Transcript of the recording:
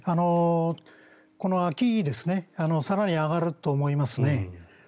この秋更に上がると思いますね。